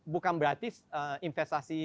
bukan berarti investasi